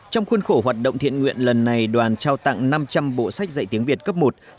trong khuôn khổ hoạt động thiện nguyện lần này đoàn trao tặng năm trăm linh bộ sách dạy tiếng việt cấp một